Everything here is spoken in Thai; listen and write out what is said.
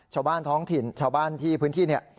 ชาวบ้านท้องถิ่นชาวบ้านที่พื้นที่เนี่ย